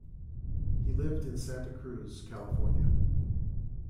He lived in Santa Cruz, California.